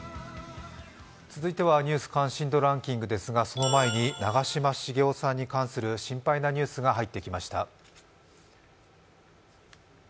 続いてはニュース関心度ランキングですがその前に長嶋茂雄さんに関する心配なニュースが入ってきました。